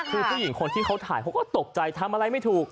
คือผู้หญิงคนที่เขาถ่ายเขาก็ตกใจทำอะไรไม่ถูก